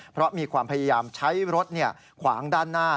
เพราะมีความพยายามใช้รถขวางด้านหน้า